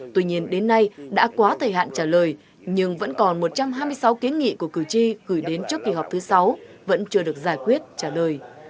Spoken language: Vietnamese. tuy nhiên đến nay đã quá thời hạn trả lời nhưng vẫn còn một trăm hai mươi sáu kiến nghị của cử tri gửi đến trước kỳ họp thứ sáu vẫn chưa được giải quyết trả lời